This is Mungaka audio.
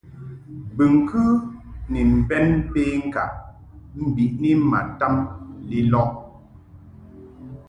Bɨŋkɨ ni mbɛn penkaʼ mbiʼni ma tam lilɔʼ.